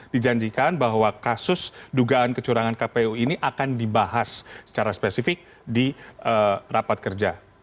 dijanjikan bahwa kasus dugaan kecurangan kpu ini akan dibahas secara spesifik di rapat kerja